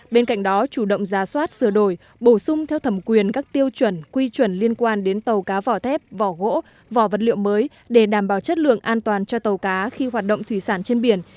bên cạnh đó chủ động ra soát sửa đổi bổ sung theo thẩm quyền các tiêu chuẩn quy chuẩn liên quan đến tàu cá vỏ thép vỏ gỗ vỏ vật liệu mới để đảm bảo chất lượng an toàn cho tàu cá khi hoạt động thủy sản trên biển